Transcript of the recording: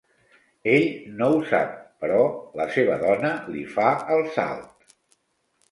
Ell no ho sap, però la seva dona li fa el salt.